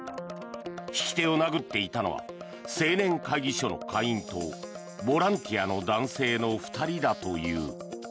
引き手を殴っていたのは青年会議所の会員とボランティアの男性の２人だという。